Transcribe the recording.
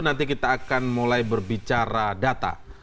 nanti kita akan mulai berbicara data